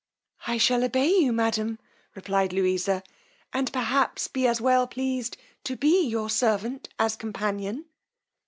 I shall obey you, madam, replied Louisa, and perhaps be as well pleased to be your servant as companion.